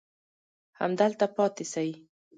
همدلته پاتې سئ.